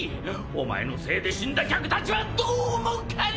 お前のせいで死んだ客たちはどう思うかな！！